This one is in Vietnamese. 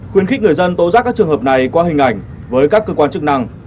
khuyến khích người dân tố giác các trường hợp này qua hình ảnh với các cơ quan chức năng